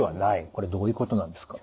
これどういうことなんですか？